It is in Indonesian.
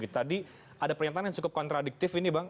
tadi ada pernyataan yang cukup kontradiktif ini bang